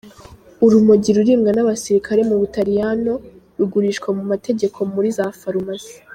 Urumogi rurimwa n'abasirikare mu Butaliyano, rugurishwa mu mategeko muri za farumasi.